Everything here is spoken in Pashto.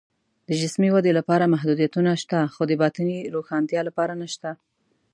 د جسمي ودې لپاره محدودیتونه شته، خو د باطني روښنتیا لپاره نشته